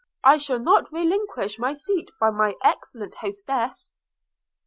I shall not relinquish my seat by my excellent hostess.'